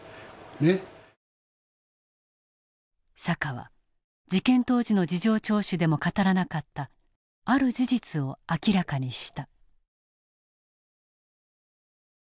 坂は事件当時の事情聴取でも語らなかったある事実を明らかにした。